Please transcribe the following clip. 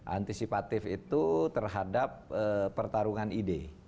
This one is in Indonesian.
antisipatif itu terhadap pertarungan ide